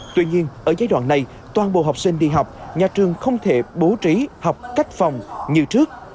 tuy nhiên ở giai đoạn này toàn bộ học sinh đi học nhà trường không thể bố trí học cách phòng như trước